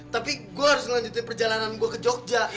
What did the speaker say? tapi gue harus melanjutkan perjalanan gue ke jogja